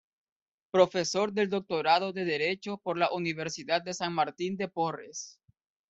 Profesor del Doctorado de Derecho por la Universidad de San Martín de Porres.